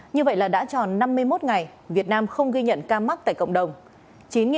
như vậy là đã tròn năm mươi một ngày việt nam không ghi nhận ca mắc tại cộng đồng